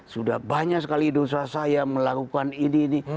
sudah banyak sekali dosa saya melakukan ini ini